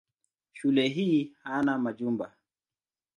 Shule hii hana majumba.